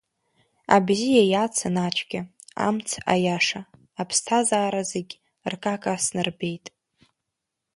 Абзиа иацын ацәгьа, амц аиаша, аԥсҭазаара зегь ракака снарбеит.